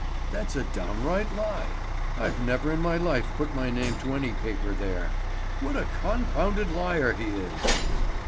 That's a downright lie. I've never in my life put my name to any paper there. What a confounded liar he is!"